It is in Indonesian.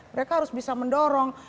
mereka harus bisa mendorong